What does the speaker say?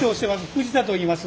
藤田といいます。